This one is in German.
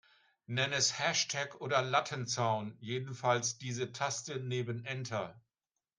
Nenn es Hashtag oder Lattenzaun, jedenfalls diese Taste neben Enter.